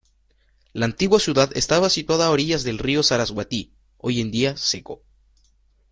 La antigua ciudad estaba situada a orillas del río Saraswati, hoy en día seco.